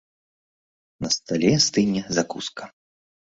На стале стыне закуска.